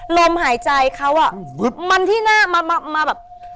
ลมหายใจเขาอ่ะมันที่หน้ามาแบบ